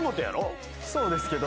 そうですけど。